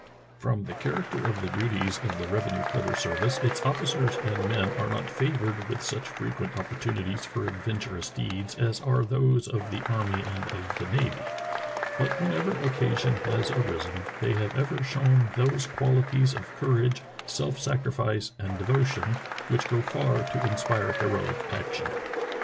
From the character of the duties of the revenue cutter service its officers and men are not favored with such frequent opportunities for adventurous deeds as are those of the army and of the navy, but whenever occasion has arisen they have ever shown those quali ties of courage, self sacrifice, and devotion which go far to inspire heroic action.